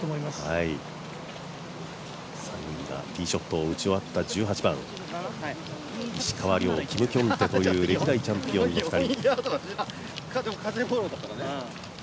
３人がティーショットを打ち終わった１８番、石川遼、キム・キョンテという歴代チャンピオンの２人。